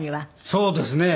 そうですね。